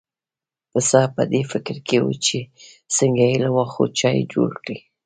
پسه په دې فکر کې و چې څنګه بې له واښو چای جوړ کړي.